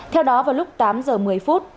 theo đó vào lúc tám giờ một mươi phút